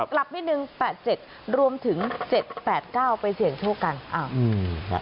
กลับนิดนึง๘๗รวมถึง๗๘๙ไปเสี่ยงโชคกัน